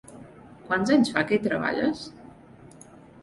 Quants anys fa que hi treballes?